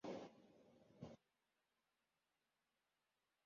Itsinda ryabagabo bicaye kumeza irimo amacupa yubusa